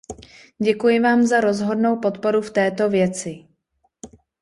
Děkuji vám za rozhodnou podporu v této věci.